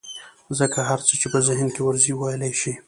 ځکه هر څه چې په ذهن کې ورځي ويلى يې شي.